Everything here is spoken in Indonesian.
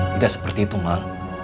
tidak seperti itu mak